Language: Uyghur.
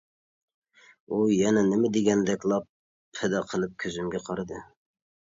ئۇ يەنە نېمە، دېگەندەك لاپپىدە قىلىپ كۆزۈمگە قارىدى.